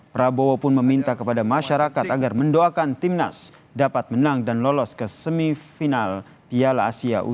prabowo pun meminta kepada masyarakat agar mendoakan timnas dapat menang dan lolos ke semifinal piala asia u dua puluh